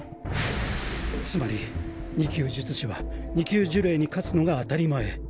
つまり２級術師は２級呪霊に勝つのが当たり前。